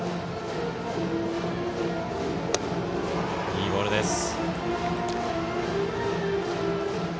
いいボールです。